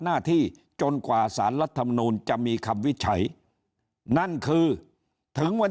หน้าที่จนกว่าสารรัฐมนูลจะมีคำวิจัยนั่นคือถึงวัน